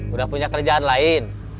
udah punya kerjaan lain